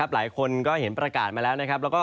หลายคนก็เห็นประกาศมาแล้วนะครับ